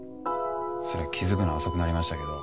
そりゃ気づくのは遅くなりましたけど。